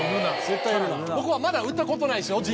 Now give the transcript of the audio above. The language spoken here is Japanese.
僕はまだ売ったことないですよ